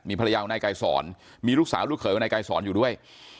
ภรรยาของนายไกรสอนมีลูกสาวลูกเขยวนายกายสอนอยู่ด้วย